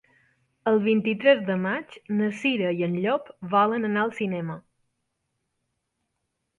El vint-i-tres de maig na Cira i en Llop volen anar al cinema.